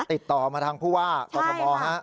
ติดต่อมาทางผู้ว่าต้องกดมองนะ